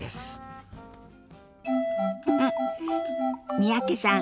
三宅さん